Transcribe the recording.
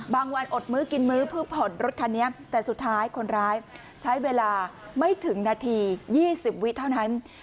วันอดมื้อกินมื้อเพื่อผ่อนรถคันนี้แต่สุดท้ายคนร้ายใช้เวลาไม่ถึงนาที๒๐วิเท่านั้น